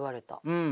うん。